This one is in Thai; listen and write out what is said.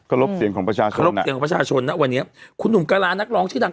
ขอรบเสียงของประชาชนนะวันนี้คุณหนุ่มกะลานนักร้องชื่อดัง